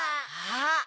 あっ！